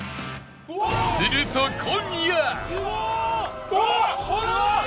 すると今夜